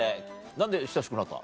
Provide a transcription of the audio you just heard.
何で親しくなった？